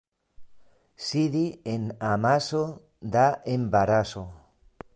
Sidi en amaso da embaraso.